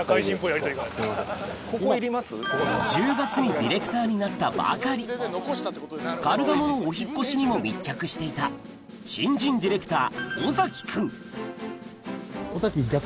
１０月にディレクターになったばかりカルガモのお引っ越しにも密着していた新人ディレクター